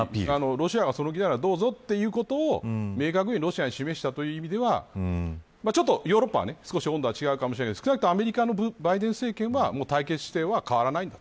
ロシアがその気ならどうぞ、ということを明確にロシアに示したという意味ではヨーロッパは少し温度が違うかもしれないが少なくともアメリカバイデン政権は姿勢は変わらない。